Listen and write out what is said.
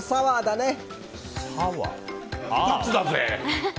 ２つだぜ。